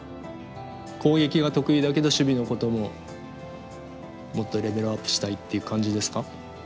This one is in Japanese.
攻撃が得意だけど守備のことももっとレベルアップしたいっていう感じですか？